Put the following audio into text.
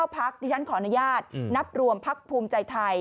พักดิฉันขออนุญาตนับรวมพักภูมิใจไทย